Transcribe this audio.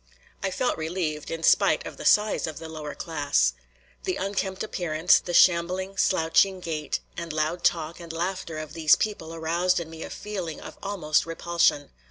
I felt relieved, in spite of the size of the lower class. The unkempt appearance, the shambling, slouching gait and loud talk and laughter of these people aroused in me a feeling of almost repulsion.